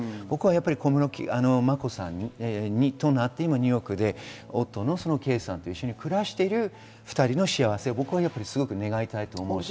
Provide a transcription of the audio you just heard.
小室眞子さんとなって、ニューヨークで夫の圭さんと暮らしてる２人の幸せを僕は願いたいです。